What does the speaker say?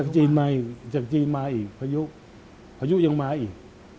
จากจีนมาอีกอายุยังมาอีก